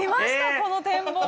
この展望台！